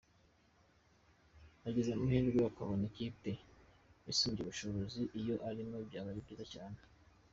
Agize amahirwe akabona ikipe isumbya ubushobozi iyo arimo byaba ari byiza cyane.